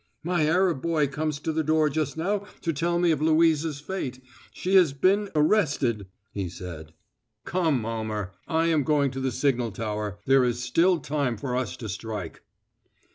"My Arab boy comes to the door just now to tell me of Louisa's fate; she has been arrested," he said. "Come, Almer! I am going to the signal tower there is still time for us to strike."